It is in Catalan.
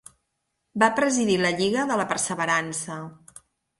Va presidir la Lliga de la Perseverança.